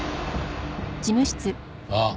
あっ。